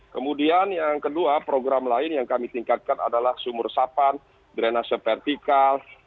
kemudian yang kedua program lain yang kami tingkatkan adalah sumur resapan drenase vertikal